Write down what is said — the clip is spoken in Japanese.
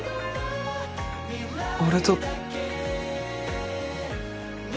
俺と。